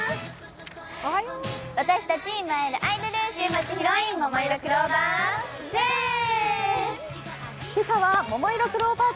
私たち、燃えるアイドル、週末ヒロイン、ももいろクローバーＺ！